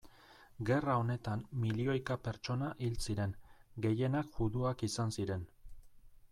Gerra honetan milioika pertsona hil ziren, gehienak juduak izan ziren.